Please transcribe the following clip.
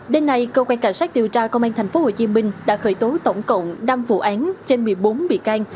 đêm nay cơ quan cảnh sát điều tra công an tp hcm đã khởi tố tổng cộng năm vụ án trên một mươi bốn bị can